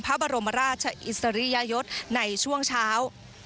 พระบรมราชอิสริยยศในช่วงเช้า